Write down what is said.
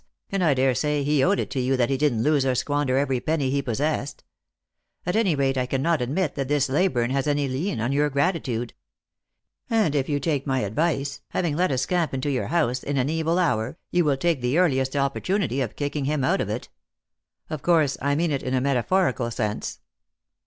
And I daresay he owed it to you that he didn't lose or squander every penny he possessed. At any rate I can not admit that this Leyburne has any lien on your gratitude. And if you take my advice, having let a scamp into your house in an evil hour, you will take the earliest opportunity of kicking him out of it. Of course I mean in a metaphorical sense."